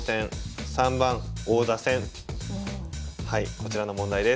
こちらの問題です。